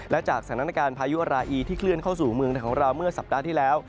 และจากสถานการณ์พายุราอีที่เคลื่อนเข้าสู่เมืองของเราเมื่อสัปดาห์ที่แล้ว